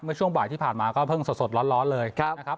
ช่วงบ่ายที่ผ่านมาก็เพิ่งสดร้อนเลยนะครับ